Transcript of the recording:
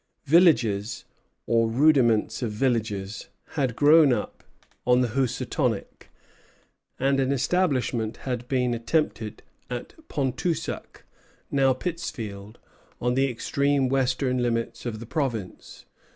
Villages, or rudiments of villages, had grown up on the Housatonic, and an establishment had been attempted at Pontoosuc, now Pittsfield, on the extreme western limits of the province.